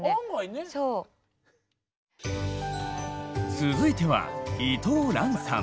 続いては伊藤蘭さん。